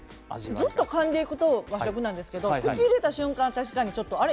ずっとかんでいくと和食なんですが口に入れた瞬間はあれ？